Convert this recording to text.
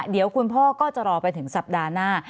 เดี๋ยวคุณพ่อก็จะรอไปถึงสัปดาห์หน้า